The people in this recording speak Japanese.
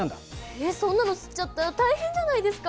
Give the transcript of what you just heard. えそんなの吸っちゃったら大変じゃないですか！